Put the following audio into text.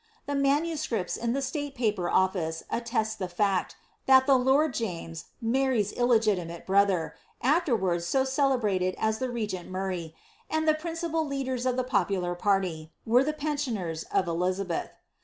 The MSS. in the Slate Paper Office attest the ftd, that the lord James, Mary's illegitimate brother (afterwards so oel^mtcd as the regent Hunay), and the principal leaders of the popular party, were the pensioners of Elizabeth.